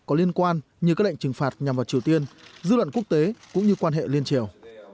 có liên quan như các lệnh trừng phạt nhằm vào triều tiên dư luận quốc tế cũng như quan hệ liên triều